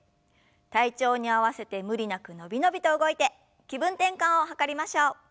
体調に合わせて無理なく伸び伸びと動いて気分転換を図りましょう。